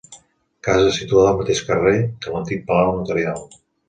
Casa situada al mateix carrer que l'antic palau notarial.